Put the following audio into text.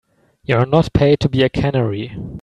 You're not paid to be a canary.